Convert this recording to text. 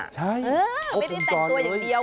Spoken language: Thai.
ใช่ไม่ได้แต่งตัวอย่างเดียว